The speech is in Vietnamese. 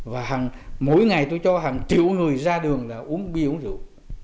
và hàng mỗi ngày tôi cho hàng triệu người ra đường là uống bia uống rượu